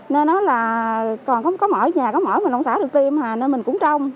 nên đó là còn có mở nhà có mở mình ông xã được tiêm hà nên mình cũng trông